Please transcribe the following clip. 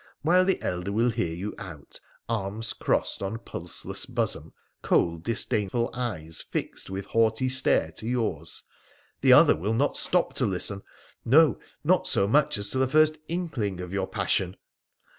While the elder will hear you out, arms crossed on pulseless bosom, cold, dis dainful eyes fixed with haughty stare to yours, the other will not stop to listen — no, not so much as to the first inkling of PHRA THE PHCENICIAN 145 your passion